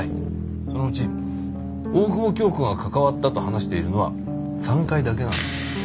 そのうち大久保杏子が関わったと話しているのは３回だけなんです。